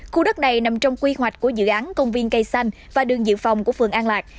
khu đất này nằm trong quy hoạch của dự án công viên cây xanh và đường dự phòng của phường an lạc